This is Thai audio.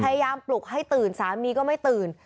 ปลุกให้ตื่นสามีก็ไม่ตื่น